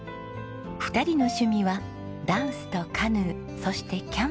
２人の趣味はダンスとカヌーそしてキャンプ。